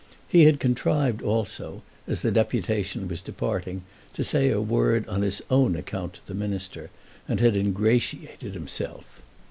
He had contrived also, as the deputation was departing, to say a word on his own account to the Minister, and had ingratiated himself.